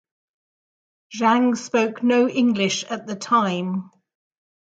Zhang spoke no English at the time.